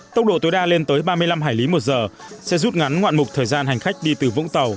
tốc độ tối đa lên tới ba mươi năm hải lý một giờ sẽ rút ngắn ngoạn mục thời gian hành khách đi từ vũng tàu